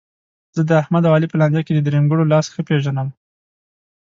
زه داحمد او علي په لانجه کې د درېیمګړو لاس ښه پېژنم.